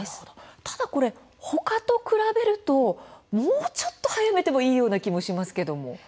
ただ他と比べるともうちょっと早めてもいいような気がしますが。